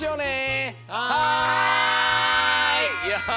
はい！